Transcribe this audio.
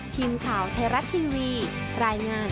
ทีมข่าวไทยรัฐทีวีรายงาน